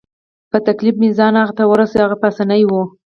په تکلیف مې ځان هغه ته ورساوه، هغه پاسیني وو.